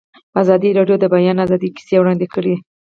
ازادي راډیو د د بیان آزادي کیسې وړاندې کړي.